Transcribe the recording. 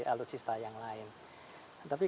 alutsista yang lain tapi